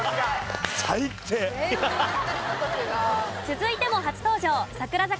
続いても初登場櫻坂